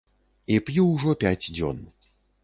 І п'ю ўжо пяць дзён.